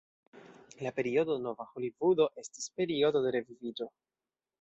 La periodo "Nova Holivudo" estis periodo de reviviĝo.